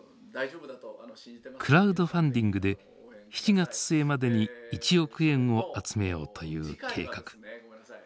クラウドファンディングで７月末までに１億円を集めようという計画。